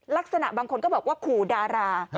ลักษณะบางคนก็บอกว่าขู่ดารา